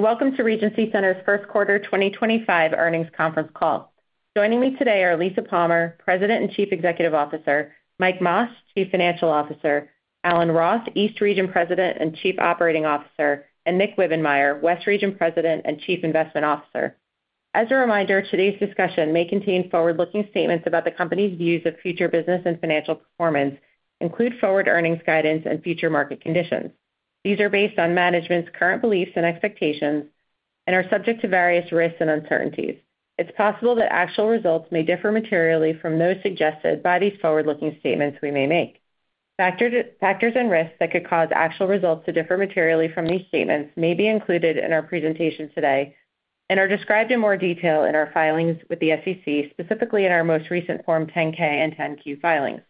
Welcome to Regency Centers' First Quarter 2025 Earnings Conference Call. Joining me today are Lisa Palmer, President and Chief Executive Officer; Mike Mas, Chief Financial Officer; Alan Roth, East Region President and Chief Operating Officer; and Nick Wibbenmeyer, West Region President and Chief Investment Officer. As a reminder, today's discussion may contain forward-looking statements about the company's views of future business and financial performance, include forward earnings guidance, and future market conditions. These are based on management's current beliefs and expectations and are subject to various risks and uncertainties. It is possible that actual results may differ materially from those suggested by these forward-looking statements we may make. Factors and risks that could cause actual results to differ materially from these statements may be included in our presentation today and are described in more detail in our filings with the SEC, specifically in our most recent Form 10-K and 10-Q filings.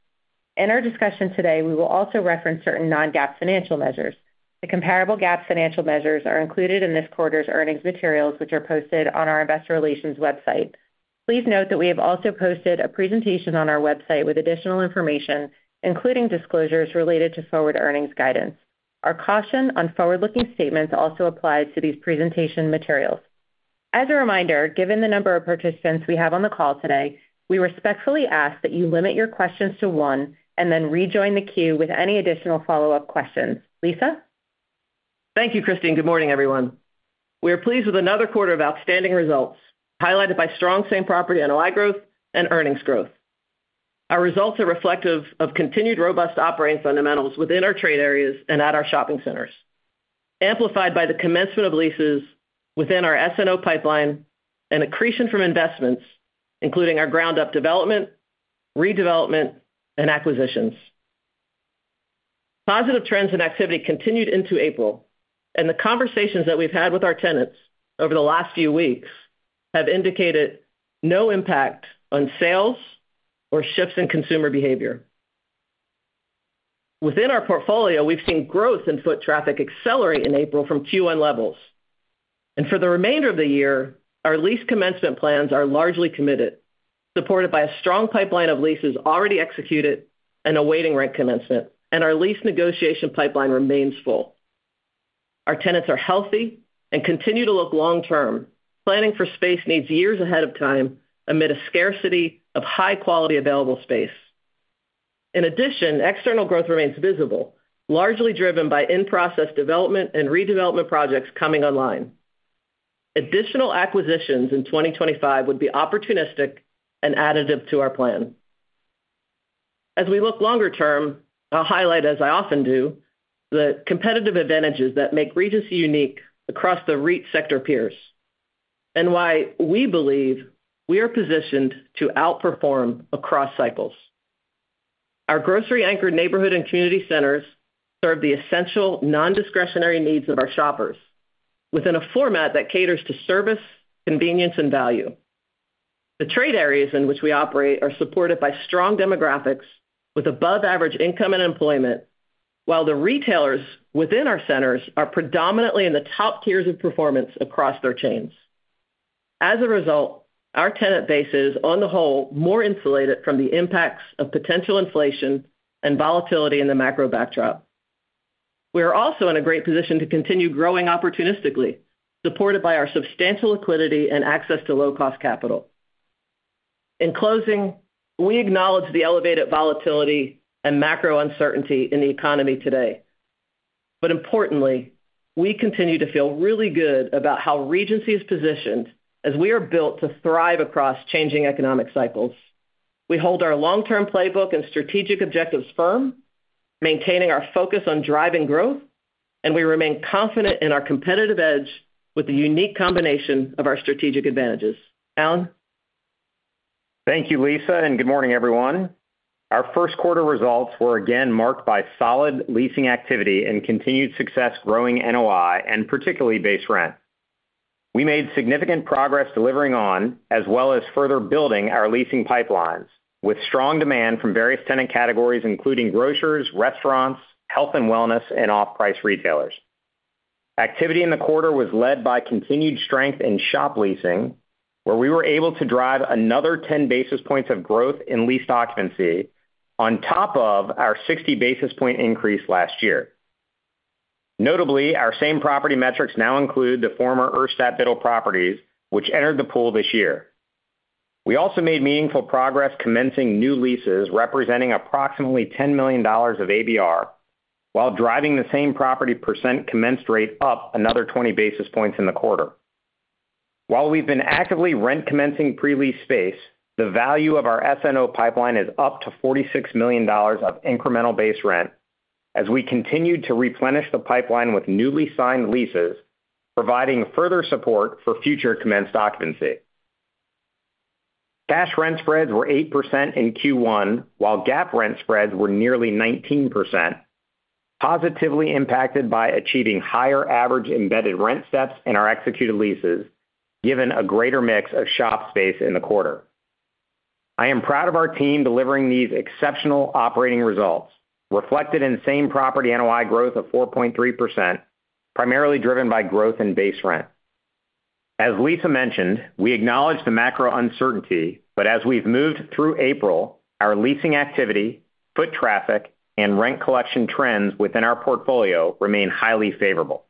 In our discussion today, we will also reference certain non-GAAP financial measures. The comparable GAAP financial measures are included in this quarter's earnings materials, which are posted on our Investor Relations website. Please note that we have also posted a presentation on our website with additional information, including disclosures related to forward earnings guidance. Our caution on forward-looking statements also applies to these presentation materials. As a reminder, given the number of participants we have on the call today, we respectfully ask that you limit your questions to one and then rejoin the queue with any additional follow-up questions. Lisa? Thank you, Christy. Good morning, everyone. We are pleased with another quarter of outstanding results highlighted by strong same property ABR growth and earnings growth. Our results are reflective of continued robust operating fundamentals within our trade areas and at our shopping centers, amplified by the commencement of leases within our S&O pipeline and accretion from investments, including our ground-up development, redevelopment, and acquisitions. Positive trends in activity continued into April. The conversations that we have had with our tenants over the last few weeks have indicated no impact on sales or shifts in consumer behavior. Within our portfolio, we have seen growth in foot traffic accelerate in April from Q1 levels. For the remainder of the year, our lease commencement plans are largely committed, supported by a strong pipeline of leases already executed and awaiting rent commencement, and our lease negotiation pipeline remains full. Our tenants are healthy and continue to look long-term, planning for space needs years ahead of time amid a scarcity of high-quality available space. In addition, external growth remains visible, largely driven by in-process development and redevelopment projects coming online. Additional acquisitions in 2025 would be opportunistic and additive to our plan. As we look longer term, I'll highlight, as I often do, the competitive advantages that make Regency unique across the REIT sector peers and why we believe we are positioned to outperform across cycles. Our grocery-anchored neighborhood and community centers serve the essential non-discretionary needs of our shoppers within a format that caters to service, convenience, and value. The trade areas in which we operate are supported by strong demographics with above-average income and employment, while the retailers within our centers are predominantly in the top tiers of performance across their chains. As a result, our tenant base is, on the whole, more insulated from the impacts of potential inflation and volatility in the macro backdrop. We are also in a great position to continue growing opportunistically, supported by our substantial liquidity and access to low-cost capital. In closing, we acknowledge the elevated volatility and macro uncertainty in the economy today. Importantly, we continue to feel really good about how Regency is positioned as we are built to thrive across changing economic cycles. We hold our long-term playbook and strategic objectives firm, maintaining our focus on driving growth, and we remain confident in our competitive edge with the unique combination of our strategic advantages. Alan? Thank you, Lisa, and good morning, everyone. Our first quarter results were again marked by solid leasing activity and continued success growing NOI and particularly base rent. We made significant progress delivering on, as well as further building our leasing pipelines, with strong demand from various tenant categories, including grocers, restaurants, health and wellness, and off-price retailers. Activity in the quarter was led by continued strength in shop leasing, where we were able to drive another 10 basis points of growth in lease occupancy on top of our 60 basis point increase last year. Notably, our same property metrics now include the former Urstadt Biddle Properties, which entered the pool this year. We also made meaningful progress commencing new leases representing approximately $10 million of ABR while driving the same property percent commenced rate up another 20 basis points in the quarter. While we've been actively rent commencing pre-lease space, the value of our S&O pipeline is up to $46 million of incremental base rent as we continue to replenish the pipeline with newly signed leases, providing further support for future commenced occupancy. Cash rent spreads were 8% in Q1, while GAAP rent spreads were nearly 19%, positively impacted by achieving higher average embedded rent steps in our executed leases, given a greater mix of shop space in the quarter. I am proud of our team delivering these exceptional operating results, reflected in same property NOI growth of 4.3%, primarily driven by growth in base rent. As Lisa mentioned, we acknowledge the macro uncertainty, but as we've moved through April, our leasing activity, foot traffic, and rent collection trends within our portfolio remain highly favorable.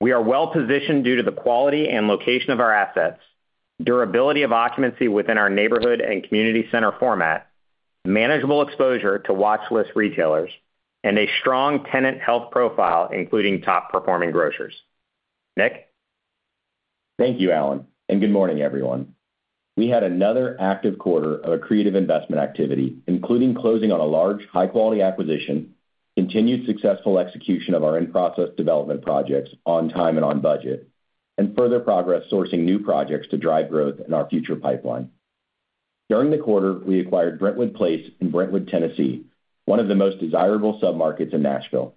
We are well positioned due to the quality and location of our assets, durability of occupancy within our neighborhood and community center format, manageable exposure to watchlist retailers, and a strong tenant health profile, including top-performing grocers. Nick? Thank you, Alan. Good morning, everyone. We had another active quarter of accretive investment activity, including closing on a large, high-quality acquisition, continued successful execution of our in-process development projects on time and on budget, and further progress sourcing new projects to drive growth in our future pipeline. During the quarter, we acquired Brentwood Place in Brentwood, Tennessee, one of the most desirable submarkets in Nashville.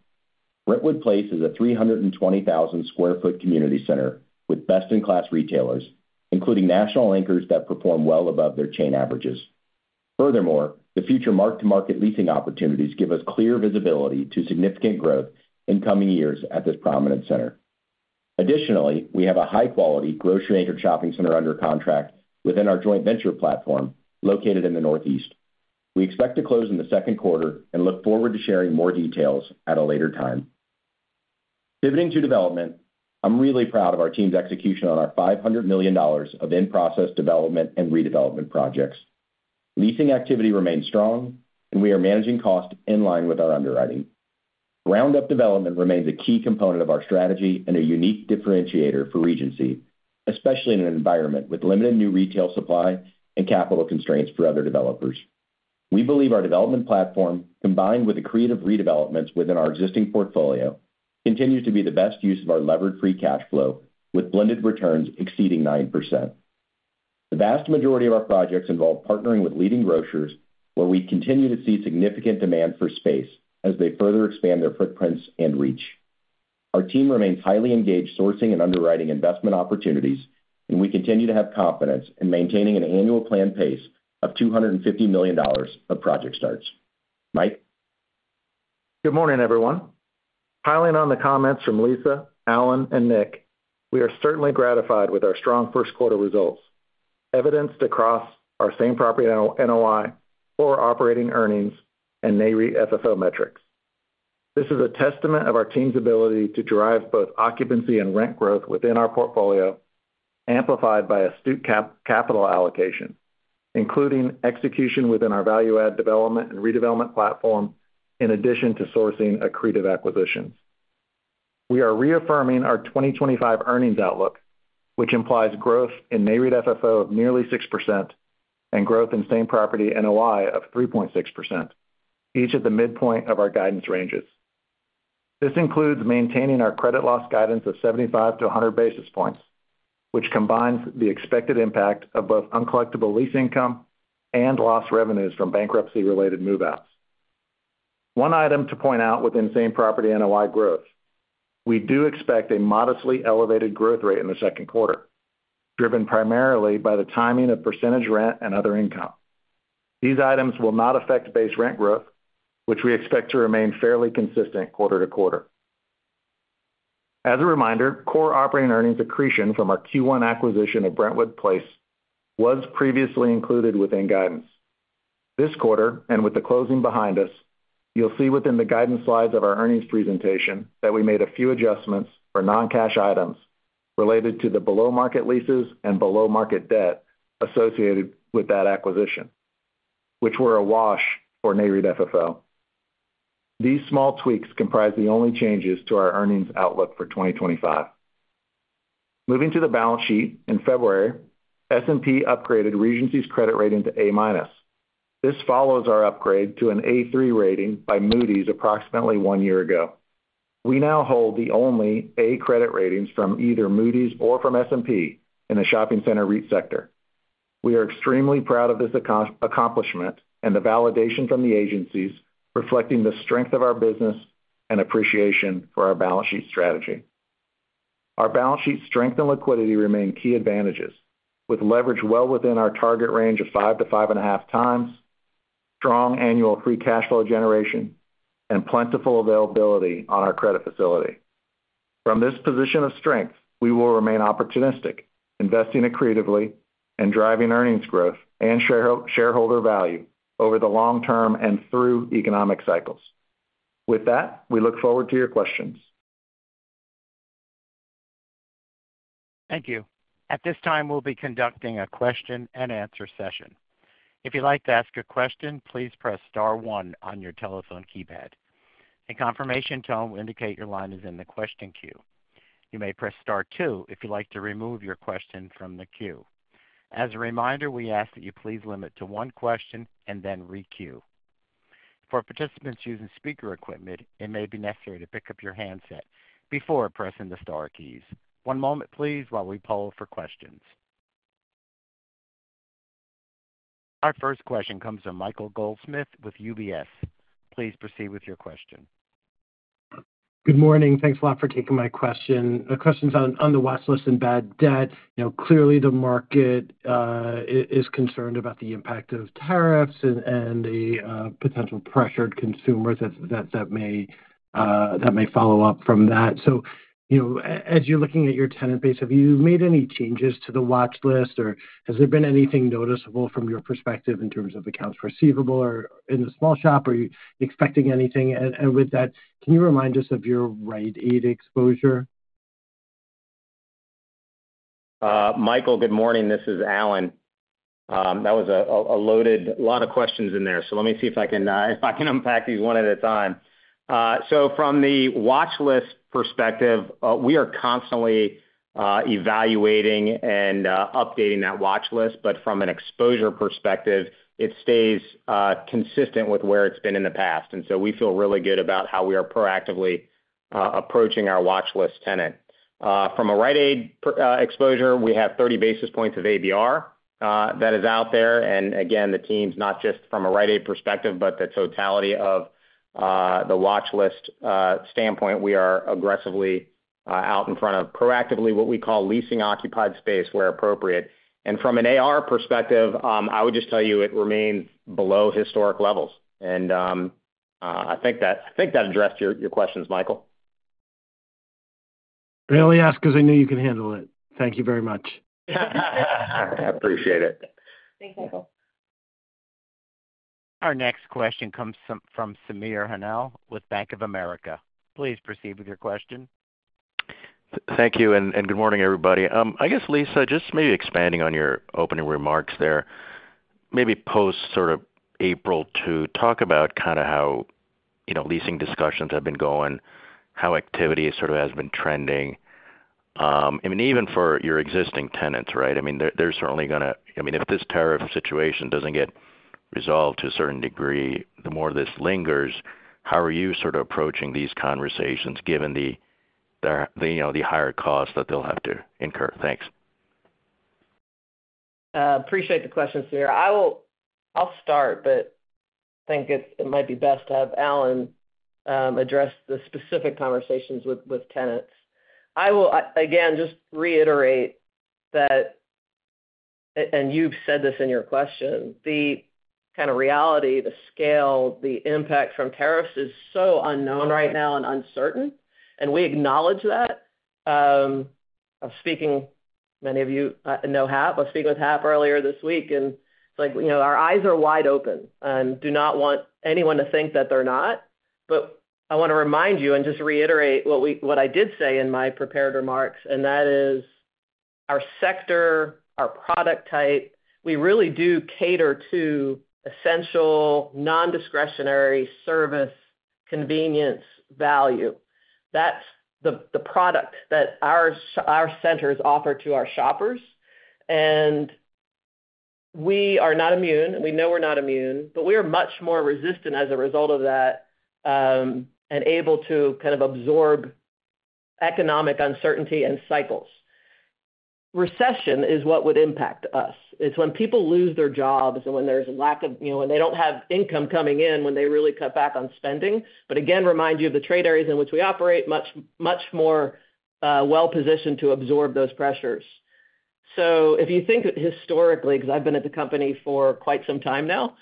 Brentwood Place is a 320,000 sq ft community center with best-in-class retailers, including national anchors that perform well above their chain averages. Furthermore, the future mark-to-market leasing opportunities give us clear visibility to significant growth in coming years at this prominent center. Additionally, we have a high-quality grocery-anchored shopping center under contract within our joint venture platform located in the Northeast. We expect to close in the second quarter and look forward to sharing more details at a later time. Pivoting to development, I'm really proud of our team's execution on our $500 million of in-process development and redevelopment projects. Leasing activity remains strong, and we are managing cost in line with our underwriting. Ground-up development remains a key component of our strategy and a unique differentiator for Regency, especially in an environment with limited new retail supply and capital constraints for other developers. We believe our development platform, combined with the creative redevelopments within our existing portfolio, continues to be the best use of our levered free cash flow, with blended returns exceeding 9%. The vast majority of our projects involve partnering with leading grocers, where we continue to see significant demand for space as they further expand their footprints and reach. Our team remains highly engaged sourcing and underwriting investment opportunities, and we continue to have confidence in maintaining an annual planned pace of $250 million of project starts. Mike? Good morning, everyone. Piling on the comments from Lisa, Alan, and Nick, we are certainly gratified with our strong first quarter results, evidenced across our same property NOI, for operating earnings, and NAREIT FFO metrics. This is a testament of our team's ability to drive both occupancy and rent growth within our portfolio, amplified by astute capital allocation, including execution within our value-add development and redevelopment platform, in addition to sourcing accretive acquisitions. We are reaffirming our 2025 earnings outlook, which implies growth in NAREIT FFO of nearly 6% and growth in same property NOI of 3.6%, each at the midpoint of our guidance ranges. This includes maintaining our credit loss guidance of 75-100 basis points, which combines the expected impact of both uncollectible lease income and lost revenues from bankruptcy-related move-outs. One item to point out within same property NOI growth: we do expect a modestly elevated growth rate in the second quarter, driven primarily by the timing of percentage rent and other income. These items will not affect base rent growth, which we expect to remain fairly consistent quarter to quarter. As a reminder, core operating earnings accretion from our Q1 acquisition of Brentwood Place was previously included within guidance. This quarter, and with the closing behind us, you'll see within the guidance slides of our earnings presentation that we made a few adjustments for non-cash items related to the below-market leases and below-market debt associated with that acquisition, which were a wash for NAREIT FFO. These small tweaks comprise the only changes to our earnings outlook for 2025. Moving to the balance sheet, in February, S&P upgraded Regency's credit rating to A-. This follows our upgrade to an A3 rating by Moody's approximately one year ago. We now hold the only A credit ratings from either Moody's or from S&P in the shopping center REIT sector. We are extremely proud of this accomplishment and the validation from the agencies, reflecting the strength of our business and appreciation for our balance sheet strategy. Our balance sheet strength and liquidity remain key advantages, with leverage well within our target range of 5-5.5x, strong annual free cash flow generation, and plentiful availability on our credit facility. From this position of strength, we will remain opportunistic, investing accretively and driving earnings growth and shareholder value over the long term and through economic cycles. With that, we look forward to your questions. Thank you. At this time, we'll be conducting a question-and-answer session. If you'd like to ask a question, please press star one on your telephone keypad. A confirmation tone will indicate your line is in the question queue. You may press star two if you'd like to remove your question from the queue. As a reminder, we ask that you please limit to one question and then re-queue. For participants using speaker equipment, it may be necessary to pick up your handset before pressing the star keys. One moment, please, while we poll for questions. Our first question comes from Michael Goldsmith with UBS. Please proceed with your question. Good morning. Thanks a lot for taking my question. The question's on the watchlist and bad debt. Clearly, the market is concerned about the impact of tariffs and the potential pressure to consumers that may follow up from that. As you're looking at your tenant base, have you made any changes to the watchlist, or has there been anything noticeable from your perspective in terms of accounts receivable or in the small shop? Are you expecting anything? With that, can you remind us of your REIT exposure? Michael, good morning. This is Alan. That was a loaded lot of questions in there. Let me see if I can unpack these one at a time. From the watchlist perspective, we are constantly evaluating and updating that watchlist. From an exposure perspective, it stays consistent with where it has been in the past. We feel really good about how we are proactively approaching our watchlist tenant. From a REIT exposure, we have 30 basis points of ABR that is out there. Again, the team's not just from a REIT perspective, but the totality of the watchlist standpoint, we are aggressively out in front of proactively what we call leasing occupied space where appropriate. From an AR perspective, I would just tell you it remains below historic levels. I think that addressed your questions, Michael. Really asked because I knew you could handle it. Thank you very much. I appreciate it. Thanks, Michael. Our next question comes from Samir Khanal with Bank of America. Please proceed with your question. Thank you. Good morning, everybody. I guess, Lisa, just maybe expanding on your opening remarks there, maybe post sort of April 2, talk about kind of how leasing discussions have been going, how activity sort of has been trending. I mean, even for your existing tenants, right? I mean, they're certainly going to—I mean, if this tariff situation does not get resolved to a certain degree, the more this lingers, how are you sort of approaching these conversations given the higher costs that they'll have to incur? Thanks. Appreciate the question, Samir. I'll start, but I think it might be best to have Alan address the specific conversations with tenants. I will, again, just reiterate that—you've said this in your question—the kind of reality, the scale, the impact from tariffs is so unknown right now and uncertain. We acknowledge that. Many of you know Hap. I was speaking with Hap earlier this week, and it's like our eyes are wide open. I do not want anyone to think that they're not. I want to remind you and just reiterate what I did say in my prepared remarks, and that is our sector, our product type, we really do cater to essential non-discretionary service convenience value. That's the product that our centers offer to our shoppers. We are not immune. We know we're not immune, but we are much more resistant as a result of that and able to kind of absorb economic uncertainty and cycles. Recession is what would impact us. It's when people lose their jobs and when there's a lack of—when they don't have income coming in when they really cut back on spending. Again, remind you of the trade areas in which we operate, much more well-positioned to absorb those pressures. If you think historically, because I've been at the company for quite some time now,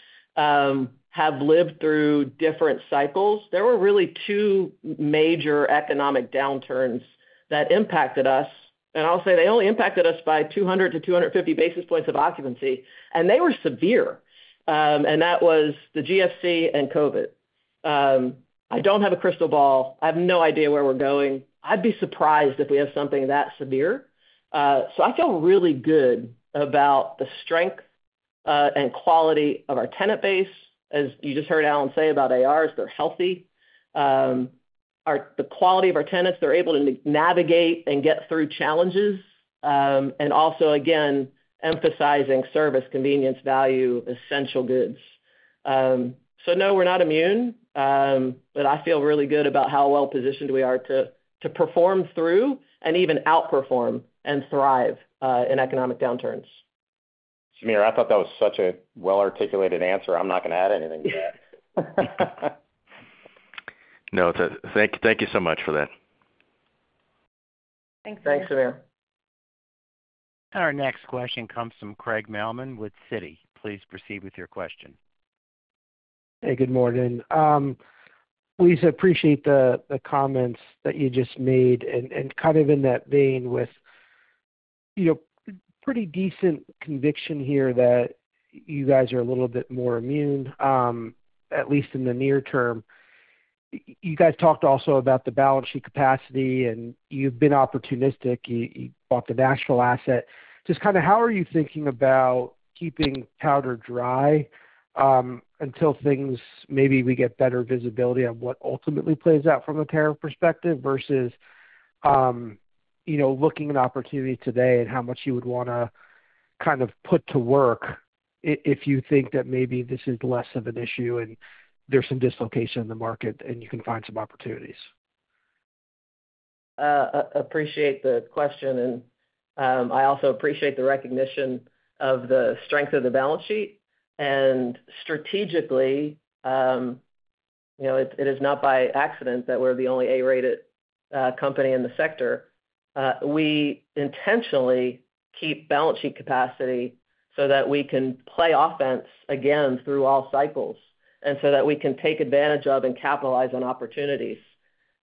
have lived through different cycles, there were really two major economic downturns that impacted us. I'll say they only impacted us by 200-250 basis points of occupancy, and they were severe. That was the GFC and COVID. I don't have a crystal ball. I have no idea where we're going. I'd be surprised if we have something that severe. I feel really good about the strength and quality of our tenant base. As you just heard Alan say about ARs, they're healthy. The quality of our tenants, they're able to navigate and get through challenges and also, again, emphasizing service, convenience, value, essential goods. No, we're not immune, but I feel really good about how well-positioned we are to perform through and even outperform and thrive in economic downturns. Samir, I thought that was such a well-articulated answer. I'm not going to add anything to that. No, thank you so much for that. Thanks, Samir. Thanks, Samir. Our next question comes from Craig Mailman with Citi. Please proceed with your question. Hey, good morning. Lisa, I appreciate the comments that you just made. Kind of in that vein with pretty decent conviction here that you guys are a little bit more immune, at least in the near term. You guys talked also about the balance sheet capacity, and you've been opportunistic. You bought the Nashville asset. Just kind of how are you thinking about keeping powder dry until things maybe we get better visibility on what ultimately plays out from a tariff perspective versus looking at opportunity today and how much you would want to kind of put to work if you think that maybe this is less of an issue and there's some dislocation in the market and you can find some opportunities? Appreciate the question. I also appreciate the recognition of the strength of the balance sheet. Strategically, it is not by accident that we're the only A-rated company in the sector. We intentionally keep balance sheet capacity so that we can play offense again through all cycles and so that we can take advantage of and capitalize on opportunities.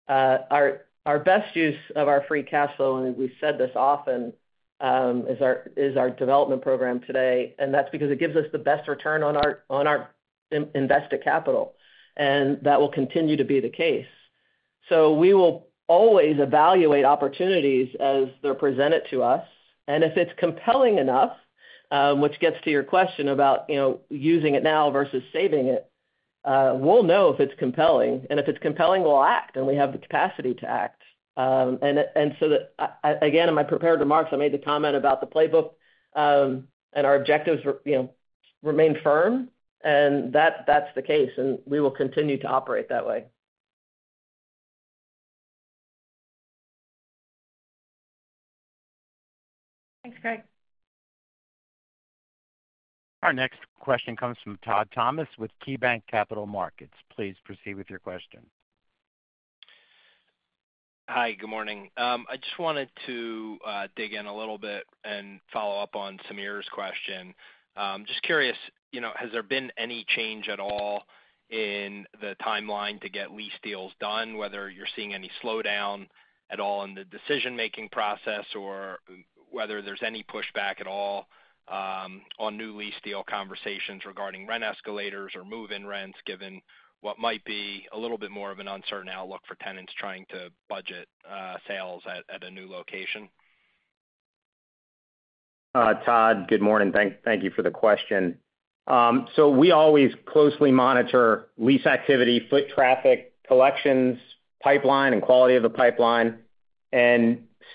Our best use of our free cash flow, and we've said this often, is our development program today. That's because it gives us the best return on our invested capital. That will continue to be the case. We will always evaluate opportunities as they're presented to us. If it's compelling enough, which gets to your question about using it now versus saving it, we'll know if it's compelling. If it's compelling, we'll act, and we have the capacity to act. In my prepared remarks, I made the comment about the playbook and our objectives remain firm. That is the case. We will continue to operate that way. Thanks, Craig. Our next question comes from Todd Thomas with KeyBanc Capital Markets. Please proceed with your question. Hi, good morning. I just wanted to dig in a little bit and follow up on Samir's question. Just curious, has there been any change at all in the timeline to get lease deals done, whether you're seeing any slowdown at all in the decision-making process or whether there's any pushback at all on new lease deal conversations regarding rent escalators or move-in rents, given what might be a little bit more of an uncertain outlook for tenants trying to budget sales at a new location? Todd, good morning. Thank you for the question. We always closely monitor lease activity, foot traffic, collections, pipeline, and quality of the pipeline.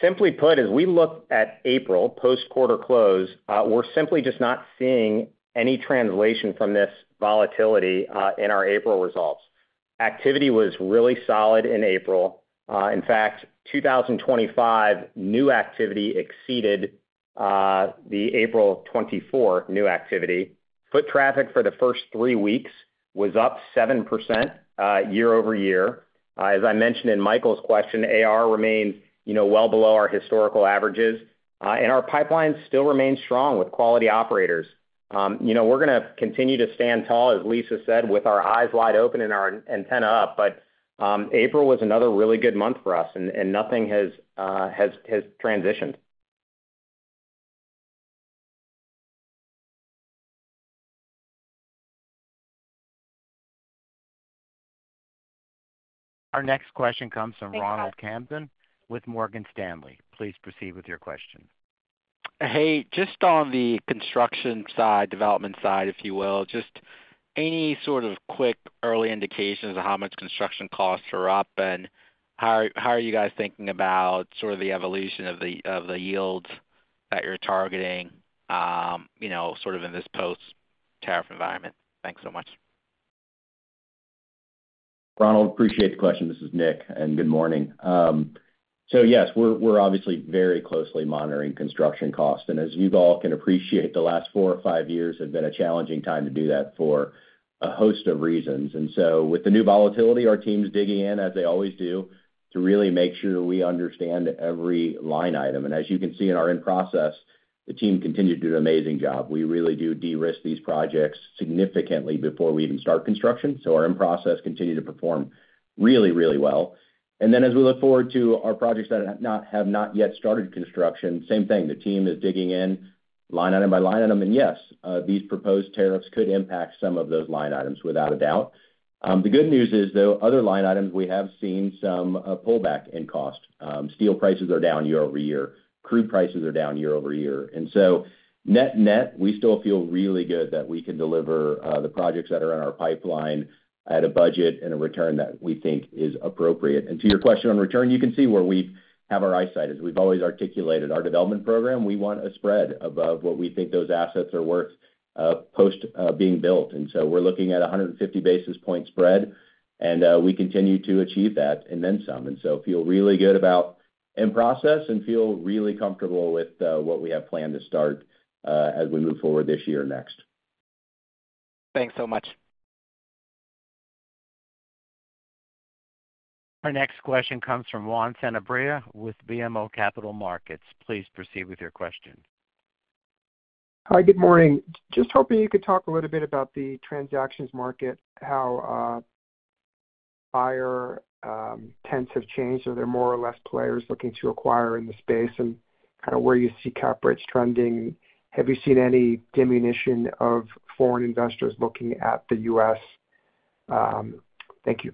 Simply put, as we look at April, post-quarter close, we are simply just not seeing any translation from this volatility in our April results. Activity was really solid in April. In fact, 2025 new activity exceeded the April 2024 new activity. Foot traffic for the first three weeks was up 7% year-over-year. As I mentioned in Michael's question, AR remains well below our historical averages. Our pipeline still remains strong with quality operators. We are going to continue to stand tall, as Lisa said, with our eyes wide open and our antenna up. April was another really good month for us, and nothing has transitioned. Our next question comes from Ronald Kamdem with Morgan Stanley. Please proceed with your question. Hey, just on the construction side, development side, if you will, just any sort of quick early indications of how much construction costs are up and how are you guys thinking about sort of the evolution of the yields that you're targeting sort of in this post-tariff environment? Thanks so much. Ronald, appreciate the question. This is Nick, and good morning. Yes, we're obviously very closely monitoring construction costs. As you all can appreciate, the last four or five years have been a challenging time to do that for a host of reasons. With the new volatility, our team's digging in, as they always do, to really make sure we understand every line item. As you can see in our in-process, the team continued to do an amazing job. We really do de-risk these projects significantly before we even start construction. Our in-process continue to perform really, really well. As we look forward to our projects that have not yet started construction, same thing. The team is digging in, line item by line item. Yes, these proposed tariffs could impact some of those line items without a doubt. The good news is, though, other line items, we have seen some pullback in cost. Steel prices are down year-over-year. Crude prices are down year-over-year. Net net, we still feel really good that we can deliver the projects that are in our pipeline at a budget and a return that we think is appropriate. To your question on return, you can see where we have our eyesight. As we've always articulated, our development program, we want a spread above what we think those assets are worth post-being built. We are looking at a 150 basis point spread, and we continue to achieve that and then some. We feel really good about in-process and feel really comfortable with what we have planned to start as we move forward this year and next. Thanks so much. Our next question comes from Juan Sanabria with BMO Capital Markets. Please proceed with your question. Hi, good morning. Just hoping you could talk a little bit about the transactions market, how buyer tents have changed, or there are more or less players looking to acquire in the space and kind of where you see cap rates trending. Have you seen any diminution of foreign investors looking at the U.S.? Thank you.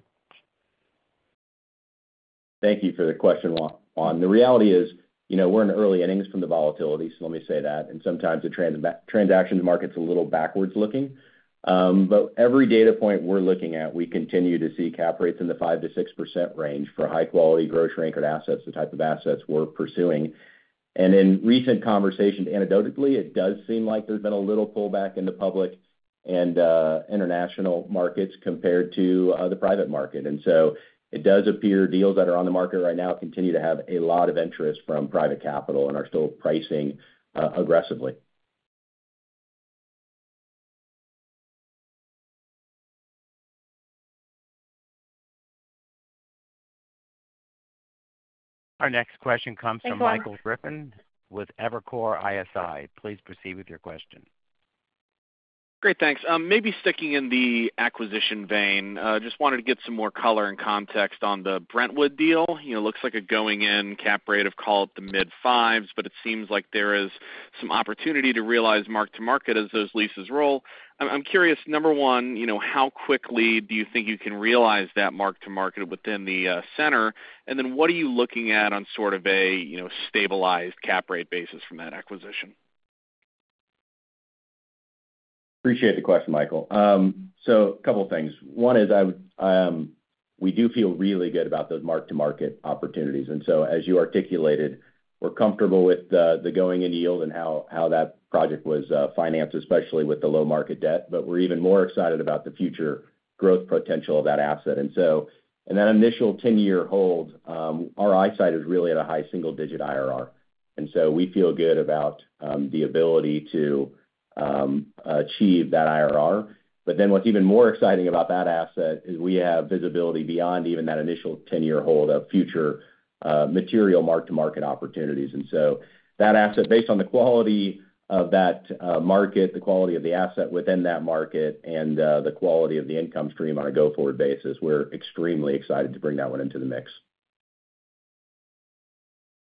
Thank you for the question, Juan. The reality is we're in early innings from the volatility, so let me say that. Sometimes the transactions market's a little backwards looking. Every data point we're looking at, we continue to see cap rates in the 5-6% range for high-quality grocery-anchored assets, the type of assets we're pursuing. In recent conversations, anecdotally, it does seem like there's been a little pullback in the public and international markets compared to the private market. It does appear deals that are on the market right now continue to have a lot of interest from private capital and are still pricing aggressively. Our next question comes from Michael Griffin with Evercore ISI. Please proceed with your question. Great. Thanks. Maybe sticking in the acquisition vein, just wanted to get some more color and context on the Brentwood deal. Looks like a going-in cap rate of, call it, the mid-fives, but it seems like there is some opportunity to realize mark-to-market as those leases roll. I'm curious, number one, how quickly do you think you can realize that mark-to-market within the center? And then what are you looking at on sort of a stabilized cap rate basis from that acquisition? Appreciate the question, Michael. A couple of things. One is we do feel really good about those mark-to-market opportunities. As you articulated, we're comfortable with the going-in yield and how that project was financed, especially with the low market debt. We are even more excited about the future growth potential of that asset. In that initial 10-year hold, our eyesight is really at a high single-digit IRR. We feel good about the ability to achieve that IRR. What is even more exciting about that asset is we have visibility beyond even that initial 10-year hold of future material mark-to-market opportunities. That asset, based on the quality of that market, the quality of the asset within that market, and the quality of the income stream on a go-forward basis, we are extremely excited to bring that one into the mix.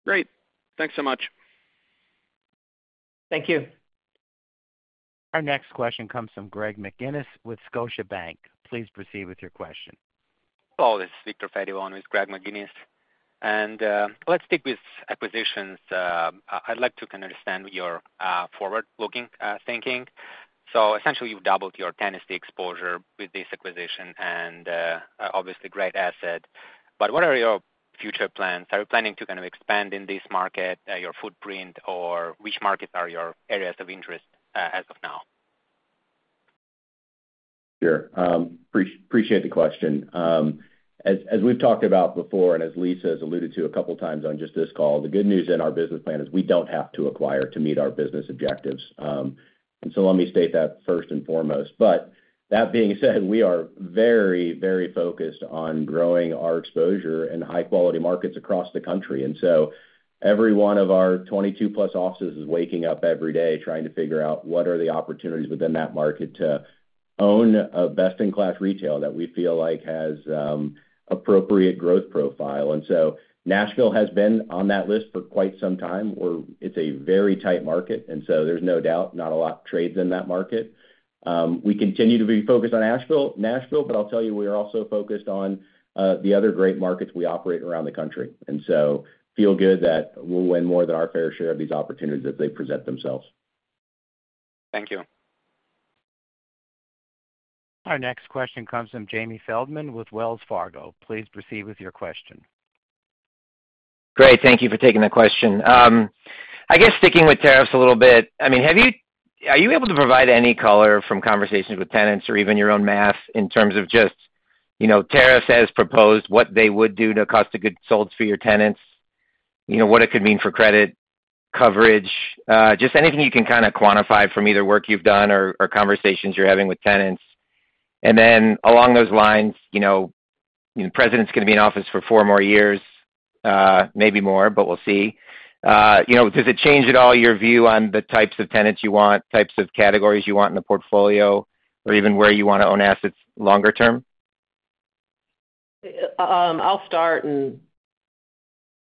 Great. Thanks so much. Thank you. Our next question comes from Greg McGinniss with Scotiabank. Please proceed with your question. Hello. This is Victor Fediv on for Greg McGinniss. Let's stick with acquisitions. I'd like to kind of understand your forward-looking thinking. Essentially, you've doubled your tenancy exposure with this acquisition and obviously great asset. What are your future plans? Are you planning to kind of expand in this market, your footprint, or which markets are your areas of interest as of now? Sure. Appreciate the question. As we've talked about before and as Lisa has alluded to a couple of times on just this call, the good news in our business plan is we don't have to acquire to meet our business objectives. Let me state that first and foremost. That being said, we are very, very focused on growing our exposure in high-quality markets across the country. Every one of our 22+ offices is waking up every day trying to figure out what are the opportunities within that market to own a best-in-class retail that we feel like has appropriate growth profile. Nashville has been on that list for quite some time. It's a very tight market. There's no doubt, not a lot of trades in that market. We continue to be focused on Nashville. I'll tell you we are also focused on the other great markets we operate around the country. I feel good that we'll win more than our fair share of these opportunities as they present themselves. Thank you. Our next question comes from Jamie Feldman with Wells Fargo. Please proceed with your question. Great. Thank you for taking the question. I guess sticking with tariffs a little bit, I mean, are you able to provide any color from conversations with tenants or even your own math in terms of just tariffs as proposed, what they would do to cost of goods sold for your tenants, what it could mean for credit coverage, just anything you can kind of quantify from either work you've done or conversations you're having with tenants. Along those lines, the president's going to be in office for four more years, maybe more, but we'll see. Does it change at all your view on the types of tenants you want, types of categories you want in the portfolio, or even where you want to own assets longer term? I'll start.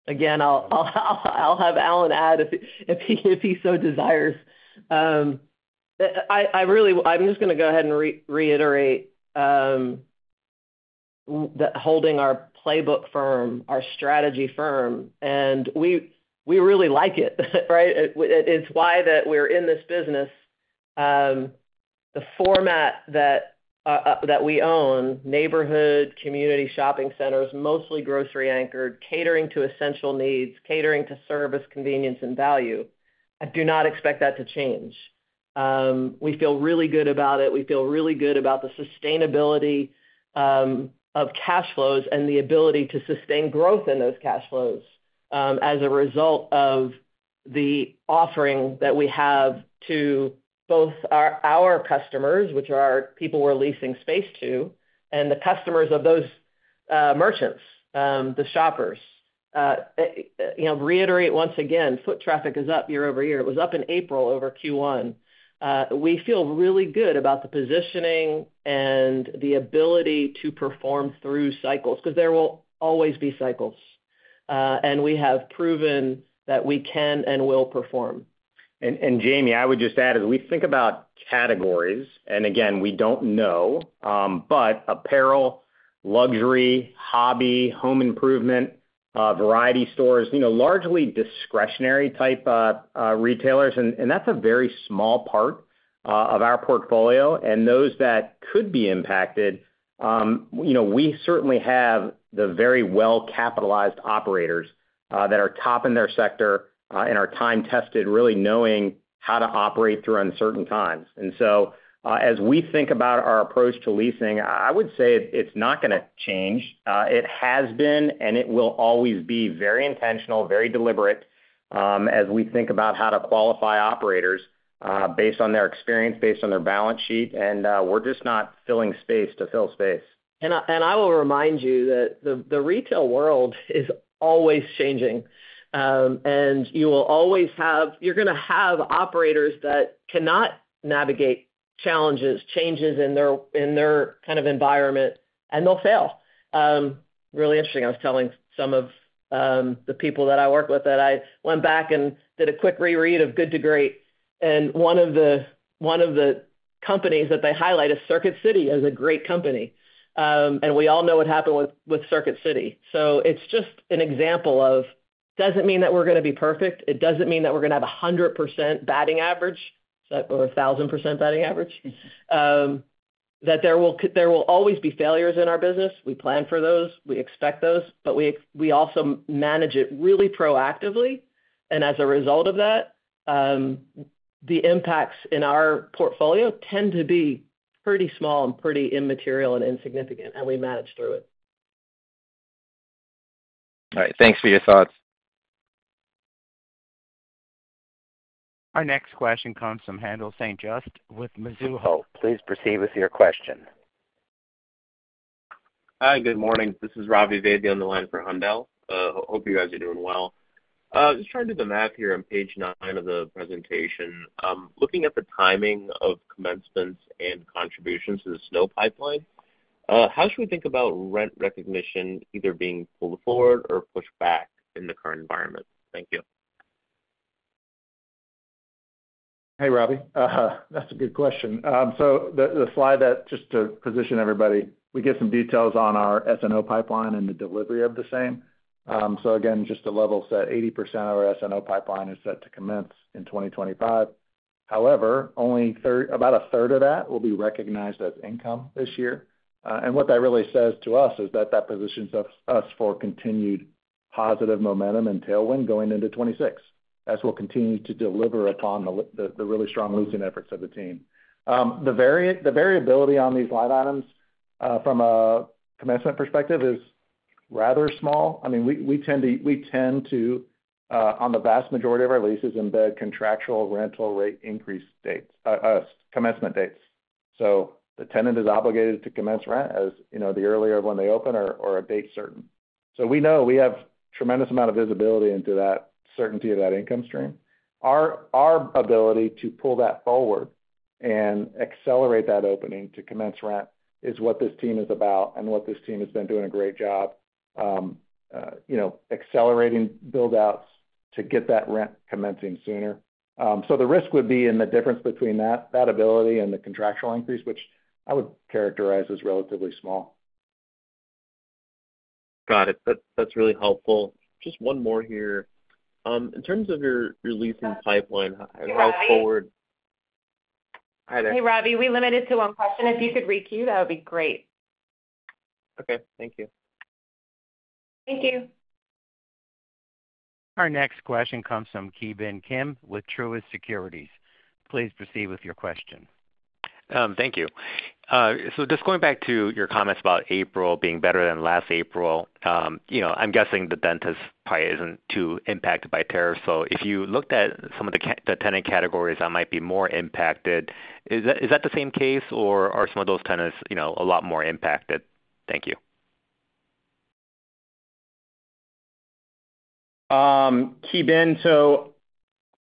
Again, I'll have Alan add if he so desires. I'm just going to go ahead and reiterate that holding our playbook firm, our strategy firm, and we really like it, right? It's why that we're in this business. The format that we own, neighborhood, community, shopping centers, mostly grocery-anchored, catering to essential needs, catering to service, convenience, and value, I do not expect that to change. We feel really good about it. We feel really good about the sustainability of cash flows and the ability to sustain growth in those cash flows as a result of the offering that we have to both our customers, which are our people we're leasing space to, and the customers of those merchants, the shoppers. Reiterate once again, foot traffic is up year-over-year. It was up in April over Q1. We feel really good about the positioning and the ability to perform through cycles because there will always be cycles. We have proven that we can and will perform. Jamie, I would just add, as we think about categories, and again, we do not know, but apparel, luxury, hobby, home improvement, variety stores, largely discretionary type retailers, and that is a very small part of our portfolio. Those that could be impacted, we certainly have the very well-capitalized operators that are top in their sector and are time-tested, really knowing how to operate through uncertain times. As we think about our approach to leasing, I would say it is not going to change. It has been and it will always be very intentional, very deliberate as we think about how to qualify operators based on their experience, based on their balance sheet. We are just not filling space to fill space. I will remind you that the retail world is always changing. You will always have, you're going to have, operators that cannot navigate challenges, changes in their kind of environment, and they'll fail. Really interesting, I was telling some of the people that I work with that I went back and did a quick reread of Good to Great. One of the companies that they highlight is Circuit City as a great company. We all know what happened with Circuit City. It is just an example of it does not mean that we are going to be perfect. It does not mean that we are going to have a 100% batting average or a 1,000% batting average, that there will always be failures in our business. We plan for those. We expect those. We also manage it really proactively. As a result of that, the impacts in our portfolio tend to be pretty small and pretty immaterial and insignificant, and we manage through it. All right. Thanks for your thoughts. Our next question comes from Haendel St. Juste with Mizuho. Please proceed with your question. Hi, good morning. This is Ravi Vaidya on the line for Haendel. Hope you guys are doing well. Just trying to do the math here on page nine of the presentation. Looking at the timing of commencements and contributions to the S&O pipeline, how should we think about rent recognition either being pulled forward or pushed back in the current environment? Thank you. Hey, Ravi. That's a good question. The slide that, just to position everybody, we give some details on our S&O pipeline and the delivery of the same. Again, just to level set, 80% of our S&O pipeline is set to commence in 2025. However, only about a third of that will be recognized as income this year. What that really says to us is that that positions us for continued positive momentum and tailwind going into 2026 as we'll continue to deliver upon the really strong leasing efforts of the team. The variability on these line items from a commencement perspective is rather small. I mean, we tend to, on the vast majority of our leases, embed contractual rental rate increase dates, commencement dates. The tenant is obligated to commence rent as the earlier of when they open or a date certain. We know we have a tremendous amount of visibility into that certainty of that income stream. Our ability to pull that forward and accelerate that opening to commence rent is what this team is about and what this team has been doing a great job accelerating build-outs to get that rent commencing sooner. The risk would be in the difference between that ability and the contractual increase, which I would characterize as relatively small. Got it. That's really helpful. Just one more here. In terms of your leasing pipeline, how forward? Hi, there. Hey, Ravi. We are limited to one question. If you could re-queue, that would be great. Okay. Thank you. Thank you. Our next question comes from Ki Bin Kim with Truist Securities. Please proceed with your question. Thank you. Just going back to your comments about April being better than last April, I'm guessing the dentist probably isn't too impacted by tariffs. If you looked at some of the tenant categories that might be more impacted, is that the same case, or are some of those tenants a lot more impacted? Thank you. Ki Bin,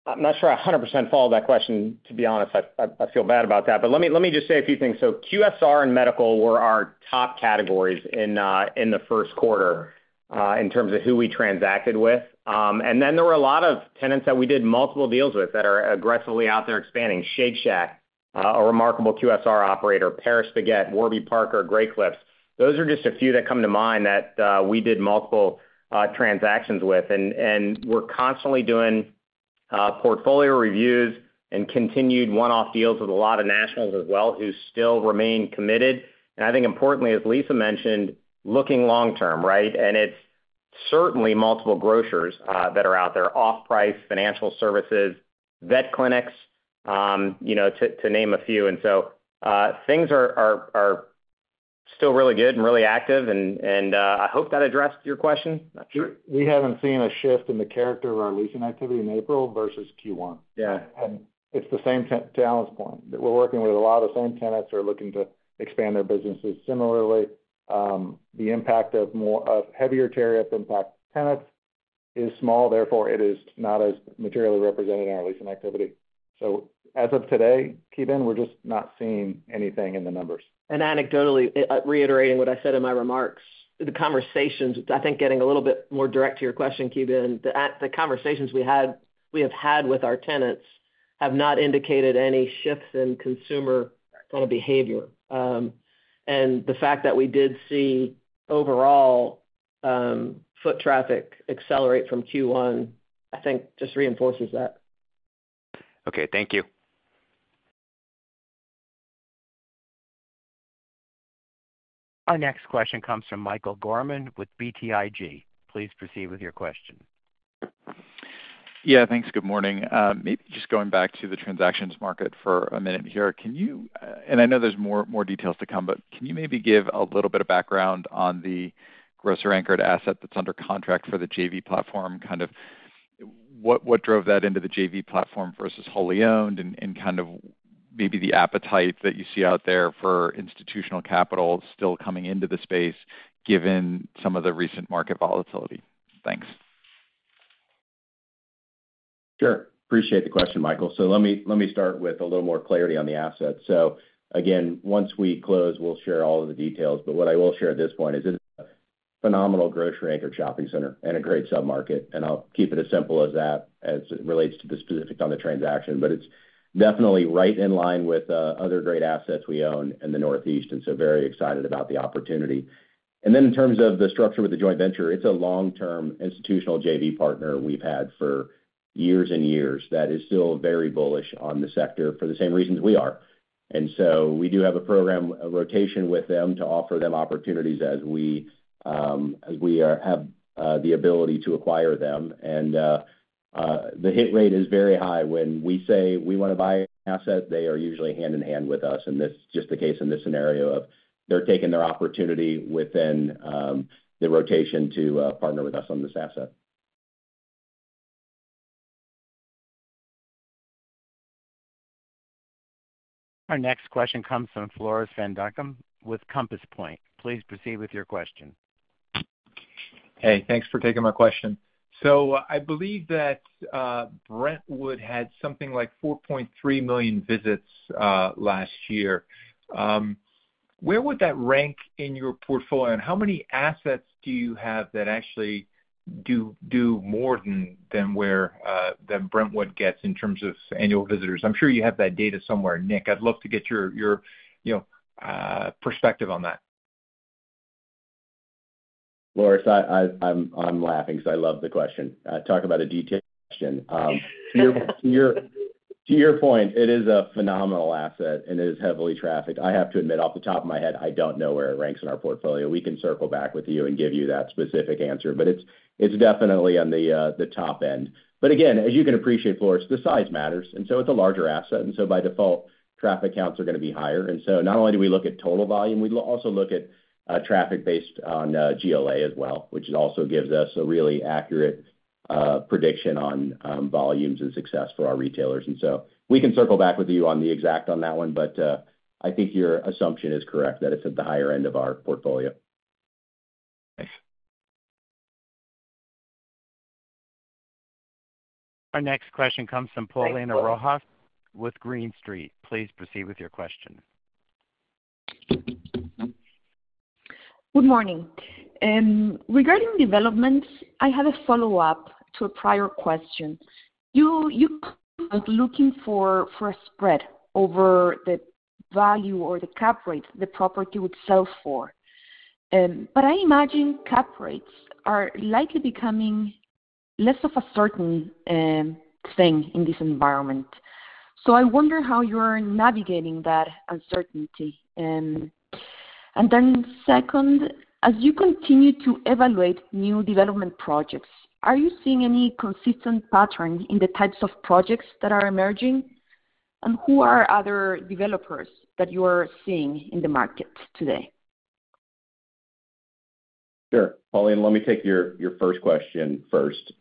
I'm not sure I 100% follow that question, to be honest. I feel bad about that. Let me just say a few things. QSR and medical were our top categories in the first quarter in terms of who we transacted with. There were a lot of tenants that we did multiple deals with that are aggressively out there expanding: Shake Shack, a remarkable QSR operator; Paris Baguette; Warby Parker; Great Clips. Those are just a few that come to mind that we did multiple transactions with. We're constantly doing portfolio reviews and continued one-off deals with a lot of nationals as well who still remain committed. I think, importantly, as Lisa mentioned, looking long-term, right? It's certainly multiple grocers that are out there, off-price, financial services, vet clinics, to name a few. Things are still really good and really active. I hope that addressed your question. We have not seen a shift in the character of our leasing activity in April versus Q1. It is the same to Alan's point. We are working with a lot of the same tenants who are looking to expand their businesses. Similarly, the impact of heavier tariff impact tenants is small. Therefore, it is not as materially represented in our leasing activity. As of today, Ki Bin, we are just not seeing anything in the numbers. Anecdotally, reiterating what I said in my remarks, the conversations, I think getting a little bit more direct to your question, Ki Bin, the conversations we have had with our tenants have not indicated any shifts in consumer kind of behavior. The fact that we did see overall foot traffic accelerate from Q1, I think just reinforces that. Okay. Thank you. Our next question comes from Michael Gorman with BTIG. Please proceed with your question. Yeah. Thanks. Good morning. Maybe just going back to the transactions market for a minute here. I know there's more details to come, but can you maybe give a little bit of background on the grocer-anchored asset that's under contract for the JV platform? Kind of what drove that into the JV platform versus wholly owned and kind of maybe the appetite that you see out there for institutional capital still coming into the space given some of the recent market volatility? Thanks. Sure. Appreciate the question, Michael. Let me start with a little more clarity on the asset. Again, once we close, we'll share all of the details. What I will share at this point is it's a phenomenal grocery-anchored shopping center in a great submarket. I'll keep it as simple as that as it relates to the specifics on the transaction. It's definitely right in line with other great assets we own in the Northeast. Very excited about the opportunity. In terms of the structure with the joint venture, it's a long-term institutional JV partner we've had for years and years that is still very bullish on the sector for the same reasons we are. We do have a program, a rotation with them to offer them opportunities as we have the ability to acquire them. The hit rate is very high. When we say we want to buy an asset, they are usually hand in hand with us. This is just the case in this scenario of they're taking their opportunity within the rotation to partner with us on this asset. Our next question comes from Floris van Dijkum with Compass Point. Please proceed with your question. Hey, thanks for taking my question. I believe that Brentwood had something like 4.3 million visits last year. Where would that rank in your portfolio? How many assets do you have that actually do more than where Brentwood gets in terms of annual visitors? I'm sure you have that data somewhere. Nick, I'd love to get your perspective on that. Floris, I'm laughing because I love the question. Talk about a detailed question. To your point, it is a phenomenal asset, and it is heavily trafficked. I have to admit, off the top of my head, I don't know where it ranks in our portfolio. We can circle back with you and give you that specific answer. It is definitely on the top end. As you can appreciate, Floris, the size matters. It is a larger asset, and by default, traffic counts are going to be higher. Not only do we look at total volume, we also look at traffic based on GLA as well, which also gives us a really accurate prediction on volumes and success for our retailers. We can circle back with you on the exact on that one. I think your assumption is correct that it's at the higher end of our portfolio. Thanks. Our next question comes from Paulina Rojas with Green Street. Please proceed with your question. Good morning. Regarding developments, I have a follow-up to a prior question. You are looking for a spread over the value or the cap rate the property would sell for. I imagine cap rates are likely becoming less of a certain thing in this environment. I wonder how you're navigating that uncertainty. Second, as you continue to evaluate new development projects, are you seeing any consistent pattern in the types of projects that are emerging? Who are other developers that you are seeing in the market today? Sure. Paulina, let me take your first question first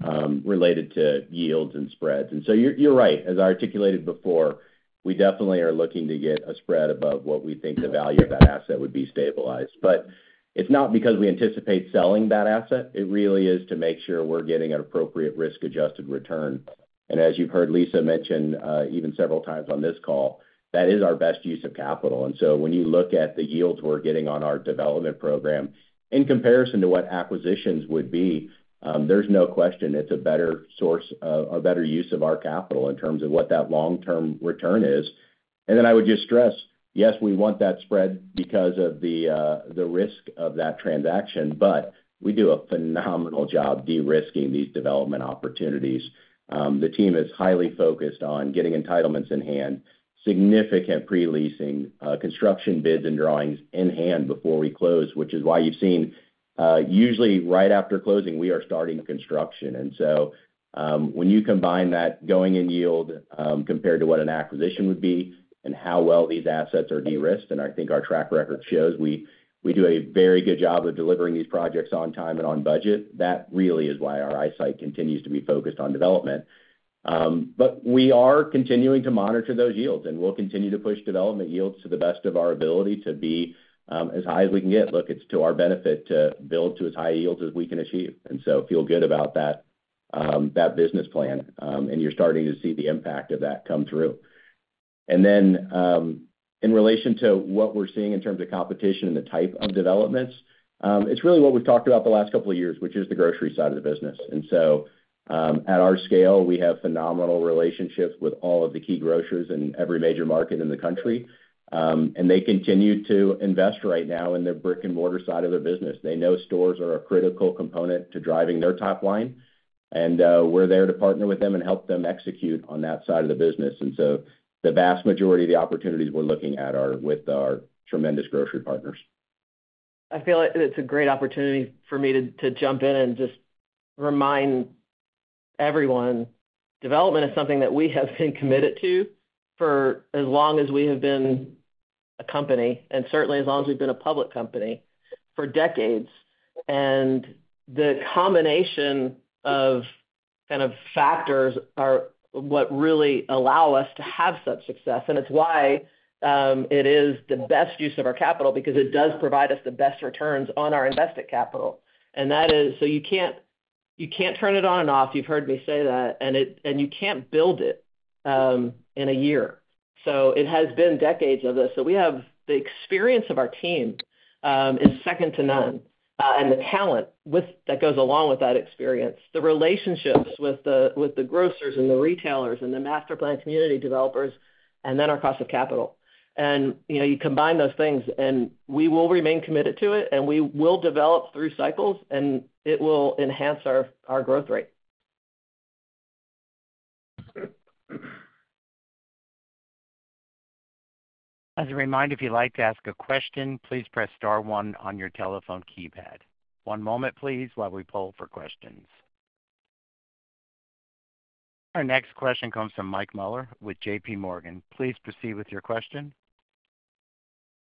related to yields and spreads. You are right. As I articulated before, we definitely are looking to get a spread above what we think the value of that asset would be stabilized. It is not because we anticipate selling that asset. It really is to make sure we are getting an appropriate risk-adjusted return. As you have heard Lisa mention even several times on this call, that is our best use of capital. When you look at the yields we are getting on our development program, in comparison to what acquisitions would be, there is no question it is a better source or better use of our capital in terms of what that long-term return is. I would just stress, yes, we want that spread because of the risk of that transaction. We do a phenomenal job de-risking these development opportunities. The team is highly focused on getting entitlements in hand, significant pre-leasing, construction bids and drawings in hand before we close, which is why you've seen usually right after closing, we are starting construction. When you combine that going in yield compared to what an acquisition would be and how well these assets are de-risked, and I think our track record shows we do a very good job of delivering these projects on time and on budget, that really is why our eyesight continues to be focused on development. We are continuing to monitor those yields, and we'll continue to push development yields to the best of our ability to be as high as we can get. Look, it's to our benefit to build to as high yields as we can achieve. I feel good about that business plan. You're starting to see the impact of that come through. In relation to what we're seeing in terms of competition and the type of developments, it's really what we've talked about the last couple of years, which is the grocery side of the business. At our scale, we have phenomenal relationships with all of the key grocers in every major market in the country. They continue to invest right now in the brick-and-mortar side of their business. They know stores are a critical component to driving their top line. We're there to partner with them and help them execute on that side of the business. The vast majority of the opportunities we're looking at are with our tremendous grocery partners. I feel it's a great opportunity for me to jump in and just remind everyone, development is something that we have been committed to for as long as we have been a company and certainly as long as we've been a public company for decades. The combination of kind of factors are what really allow us to have such success. It is why it is the best use of our capital because it does provide us the best returns on our invested capital. That is so you can't turn it on and off. You've heard me say that. You can't build it in a year. It has been decades of this. We have the experience of our team is second to none and the talent that goes along with that experience, the relationships with the grocers and the retailers and the master plan community developers, and then our cost of capital. You combine those things, and we will remain committed to it, and we will develop through cycles, and it will enhance our growth rate. As a reminder, if you'd like to ask a question, please press star one on your telephone keypad. One moment, please, while we pull for questions. Our next question comes from Mike Mueller with JPMorgan. Please proceed with your question.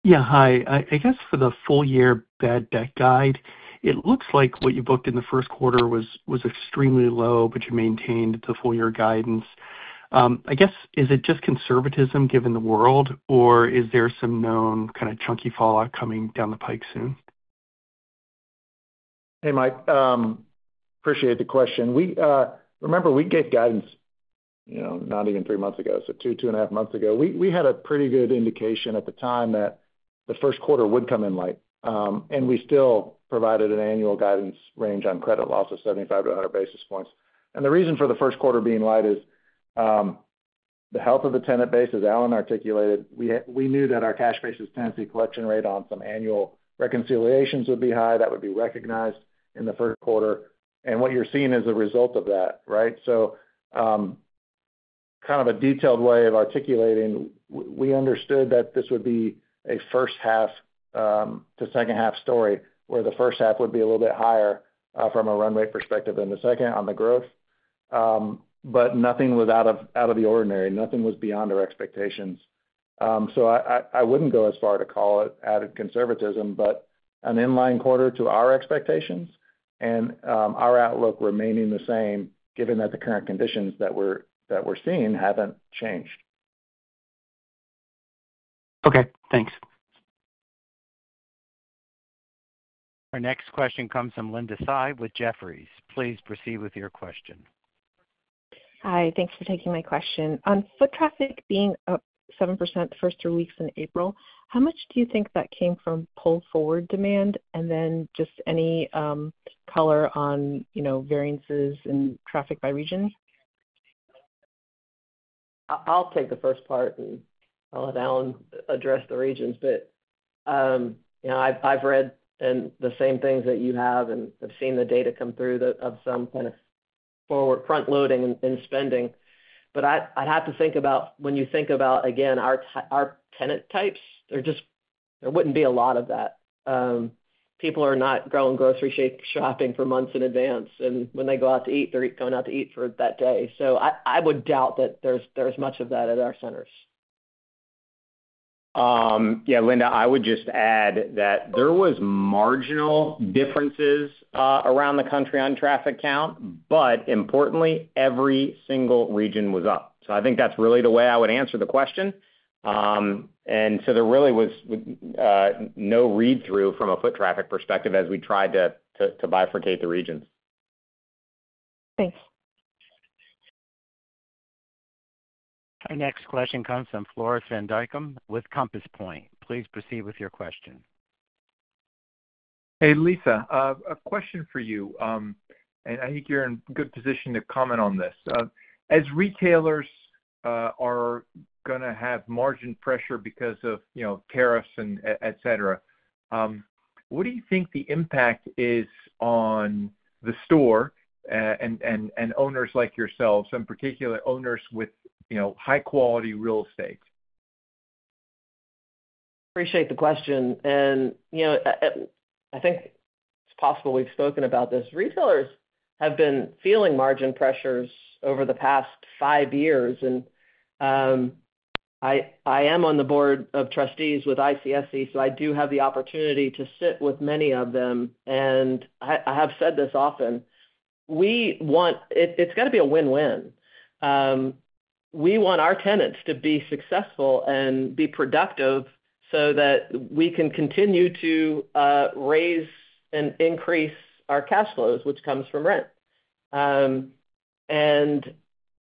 Yeah. Hi. I guess for the full-year bad debt guide, it looks like what you booked in the first quarter was extremely low, but you maintained the full-year guidance. I guess, is it just conservatism given the world, or is there some known kind of chunky fallout coming down the pike soon? Hey, Mike. Appreciate the question. Remember, we gave guidance not even three months ago, so two, two and a half months ago. We had a pretty good indication at the time that the first quarter would come in light. We still provided an annual guidance range on credit loss of 75-100 basis points. The reason for the first quarter being light is the health of the tenant base, as Alan articulated. We knew that our cash-based tenancy collection rate on some annual reconciliations would be high. That would be recognized in the first quarter. What you're seeing is a result of that, right? Kind of a detailed way of articulating, we understood that this would be a first half to second half story where the first half would be a little bit higher from a run rate perspective than the second on the growth. Nothing was out of the ordinary. Nothing was beyond our expectations. I would not go as far to call it added conservatism, but an inline quarter to our expectations and our outlook remaining the same given that the current conditions that we are seeing have not changed. Okay. Thanks. Our next question comes from Linda Tsai with Jefferies. Please proceed with your question. Hi. Thanks for taking my question. On foot traffic being up 7% the first three weeks in April, how much do you think that came from pull forward demand and then just any color on variances in traffic by region? I'll take the first part, and I'll let Alan address the regions. I've read the same things that you have and have seen the data come through of some kind of forward front-loading and spending. I'd have to think about when you think about, again, our tenant types, there wouldn't be a lot of that. People are not going grocery shopping for months in advance. When they go out to eat, they're going out to eat for that day. I would doubt that there's much of that at our centers. Yeah. Linda, I would just add that there were marginal differences around the country on traffic count. Importantly, every single region was up. I think that's really the way I would answer the question. There really was no read-through from a foot traffic perspective as we tried to bifurcate the regions. Thanks. Our next question comes from Floris van Dijkum with Compass Point. Please proceed with your question. Hey, Lisa, a question for you. I think you're in a good position to comment on this. As retailers are going to have margin pressure because of tariffs and etc., what do you think the impact is on the store and owners like yourselves, in particular owners with high-quality real estate? Appreciate the question. I think it's possible we've spoken about this. Retailers have been feeling margin pressures over the past five years. I am on the board of trustees with ICSC, so I do have the opportunity to sit with many of them. I have said this often. It's got to be a win-win. We want our tenants to be successful and be productive so that we can continue to raise and increase our cash flows, which comes from rent.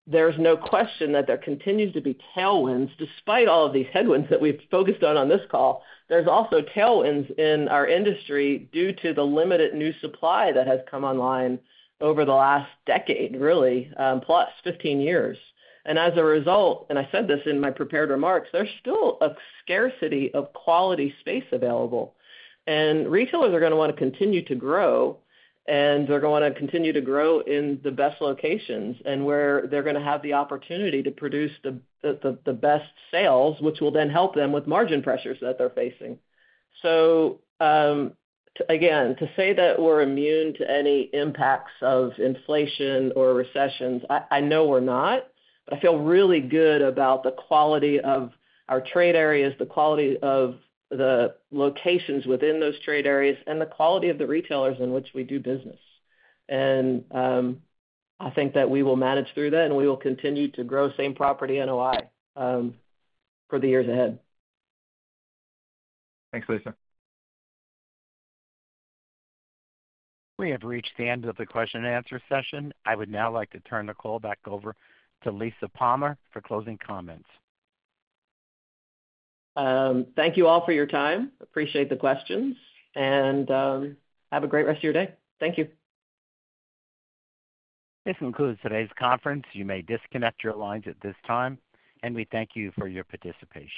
There's no question that there continues to be tailwinds despite all of these headwinds that we've focused on on this call. There's also tailwinds in our industry due to the limited new supply that has come online over the last decade, really, plus 15 years. As a result, and I said this in my prepared remarks, there's still a scarcity of quality space available. Retailers are going to want to continue to grow. They're going to want to continue to grow in the best locations and where they're going to have the opportunity to produce the best sales, which will then help them with margin pressures that they're facing. To say that we're immune to any impacts of inflation or recessions, I know we're not. I feel really good about the quality of our trade areas, the quality of the locations within those trade areas, and the quality of the retailers in which we do business. I think that we will manage through that, and we will continue to grow same property NOI for the years ahead. Thanks, Lisa. We have reached the end of the question-and-answer session. I would now like to turn the call back over to Lisa Palmer for closing comments. Thank you all for your time. Appreciate the questions. Have a great rest of your day. Thank you. This concludes today's conference. You may disconnect your lines at this time. We thank you for your participation.